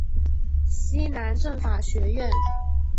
西南政法学院。